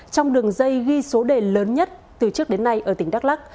trong đường dây ghi số đề lớn nhất từ trước đến nay ở tỉnh đắk lắc